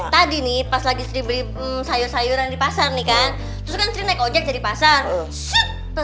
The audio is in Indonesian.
tadi ketika saya beli sayur sayuran di pasar saya naik ojeng cari pasar